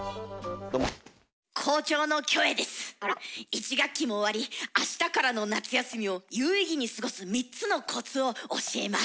１学期も終わりあしたからの夏休みを有意義に過ごす３つのコツを教えます。